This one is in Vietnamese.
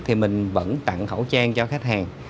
thì mình vẫn tặng khẩu trang cho khách hàng